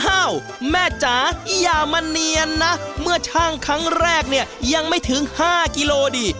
อ้าวแม่จ๋าอย่ามาเนียนนะเมื่อช่างครั้งแรกเนี่ยยังไม่ถึง๕กิโลดี